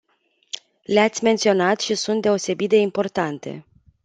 Le-ați menționat și sunt deosebit de importante.